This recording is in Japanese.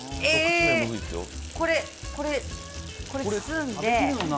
これ、これ包んで。